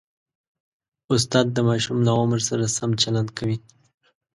استاد د ماشوم له عمر سره سم چلند کوي.